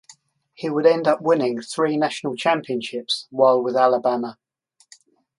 He would end up winning three National Championships while with Alabama.